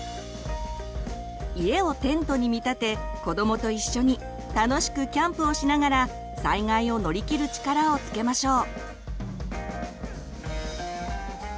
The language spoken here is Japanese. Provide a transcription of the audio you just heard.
家をテントに見立て子どもと一緒に楽しくキャンプをしながら災害を乗り切る力をつけましょう。